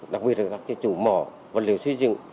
đặc biệt là các chủ mỏ vật liệu xây dựng